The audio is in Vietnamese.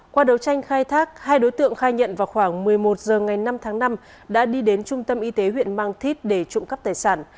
qua đấu tranh khai thác hai đối tượng khai nhận vào khoảng một mươi một h ngày năm tháng năm đã đi đến trung tâm y tế huyện mang thít để trộm cắp tài sản